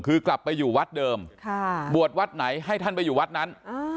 คือกลับไปอยู่วัดเดิมบวชวัดไหนให้ท่านไปอยู่วัดนั้น